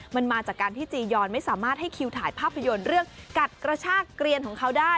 ภาพยนตร์เรื่องกัดกระชากเกรียนของเขาได้